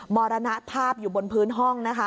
มรณภาพอยู่บนพื้นห้องนะคะ